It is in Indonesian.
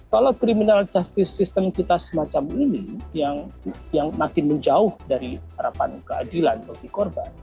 kalau kriminalitas sistem kita semacam ini yang makin menjauh dari harapan keadilan bagi korban